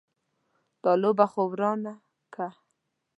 دا لوبه خو ورانه که.